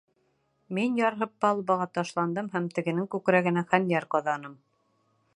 Мин, ярһып, палубаға ташландым һәм тегенең күкрәгенә хәнйәр ҡаҙаным.